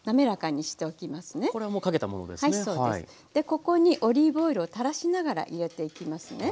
ここにオリーブオイルを垂らしながら入れていきますね。